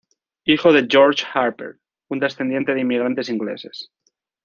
Hijo de George Harper un descendiente de inmigrantes ingleses.